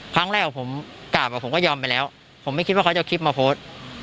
ครั้งแรกผมกลับผมก็ยอมไปแล้วผมไม่คิดว่าเขาจะเอาคลิปมาโพสต์